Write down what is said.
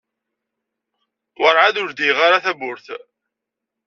Werɛad ur ldiyeɣ ara tawwurt.